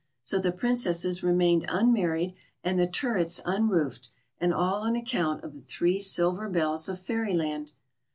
So the Princesses remained unmarried, and the turrets unroofed, and all on account of the three silver bells of Fairyland.